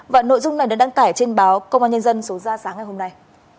và nội dung này được đăng tải trên báo công an nhân dân số ra sáng ngày hôm nay